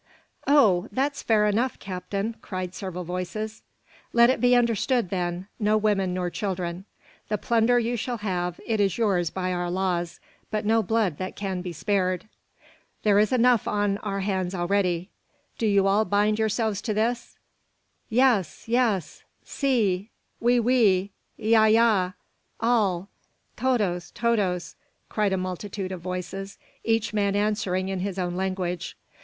"Oh! that's fair enough, captain," cried several voices. "Let it be understood, then, no women nor children. The plunder you shall have, it is yours by our laws, but no blood that can be spared. There is enough on our hands already. Do you all bind yourselves to this?" "Yes, yes!" "Si!" "Oui, oui!" "Ya, ya!" "All!" "Todos, todos!" cried a multitude of voices, each man answering in his own language.